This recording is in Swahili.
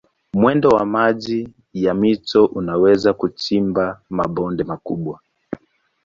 Mwendo wa maji ya mito unaweza kuchimba mabonde makubwa.